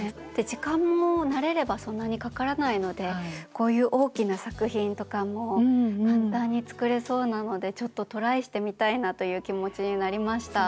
時間も慣れればそんなにかからないのでこういう大きな作品とかも簡単に作れそうなのでちょっとトライしてみたいなという気持ちになりました。